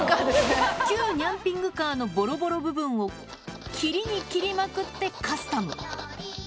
旧ニャンピングカーのぼろぼろ部分を切りに切りまくってカスタム。